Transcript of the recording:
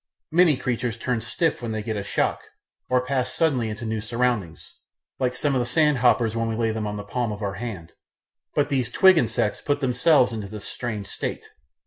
Many creatures turn stiff when they get a shock, or pass suddenly into new surroundings, like some of the sand hoppers when we lay them on the palm of our hand; but these twig insects put themselves into this strange state.